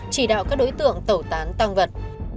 chỉ đạo các đối tượng tẩu tán tăng vật